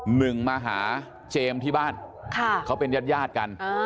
หนึ่งมาหาเจมส์ที่บ้านเขาเป็นญาติญาติกัน